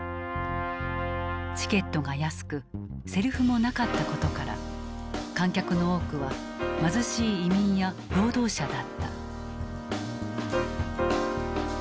チケットが安くセリフもなかったことから観客の多くは貧しい移民や労働者だった。